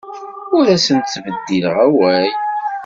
Ur asent-ttbeddileɣ awal.